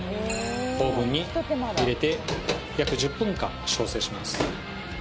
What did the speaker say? オーブンに入れて約１０分間焼成します